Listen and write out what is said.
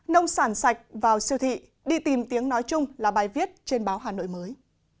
nông sản sạch vào siêu thị đi tìm tiếng nói chung là bài viết trên báo hà nội mới